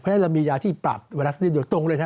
เพราะฉะนั้นเรามียาที่ปรับไวรัสนิดเดียวตรงเลยนะ